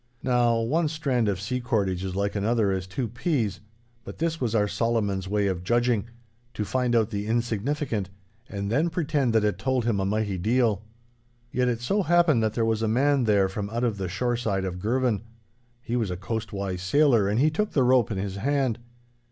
Now, one strand of sea cordage is like another as two peas; but this was our Solomon's way of judging—to find out the insignificant, and then pretend that it told him a mighty deal. Yet it so happened that there was a man there from out of the shoreside of Girvan. He was a coastwise sailor, and he took the rope in his hand.